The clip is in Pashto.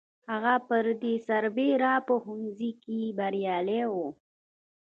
هغه پر دې سربېره په ښوونځي کې بریالی و